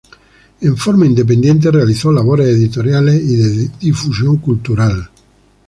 En forma independiente realizó labores editoriales y de difusión cultural.